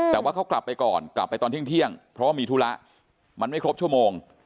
แต่ว่าเขากลับไปก่อนกลับไปตอนเที่ยงเพราะว่ามีธุระมันไม่ครบชั่วโมง